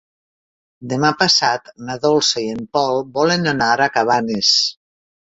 Demà passat na Dolça i en Pol volen anar a Cabanes.